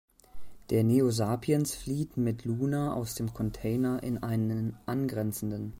Der Neo Sapiens flieht mit Luna aus dem Container in einen angrenzenden.